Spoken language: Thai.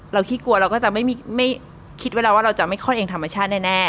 ขี้กลัวเราก็จะไม่คิดไว้แล้วว่าเราจะไม่คลอดเองธรรมชาติแน่